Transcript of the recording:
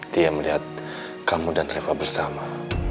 dia melihat kamu dan reva bersama